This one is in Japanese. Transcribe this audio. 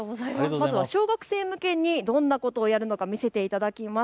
小学生向けにどんなことをやるのか見せていただきます。